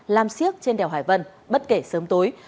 làm siếc trên đèo hải vân bất kể sớm tối